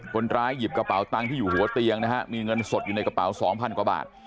คนร้ายหยิบกระเป๋าตังค์ที่อยู่หัวเตียงนะฮะมีเงินสดอยู่ในกระเป๋าสองพันกว่าบาท